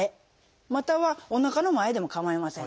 またはおなかの前でもかまいません。